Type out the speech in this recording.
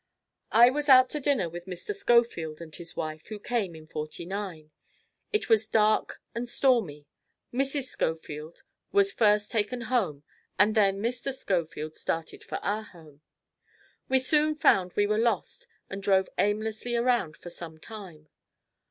I was out to dinner with Mr. Scofield and his wife who came in '49. It was dark and stormy. Mrs. Scofield was first taken home and then Mr. Scofield started for our home. We soon found we were lost and drove aimlessly around for some time.